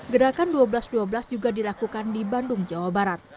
gerakan dua belas dua belas juga dilakukan di bandung jawa barat